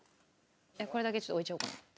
これだけちょっと置いちゃおうかなと。